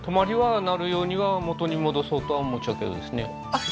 あっ